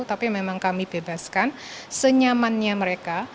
tapi memang kami bebaskan senyamannya mereka